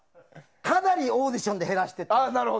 かなりオーディションで減らしてった。